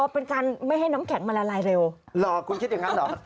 เป็นการไม่ให้น้ำแข็งมันละลายเร็วหรอคุณคิดอย่างนั้นเหรอ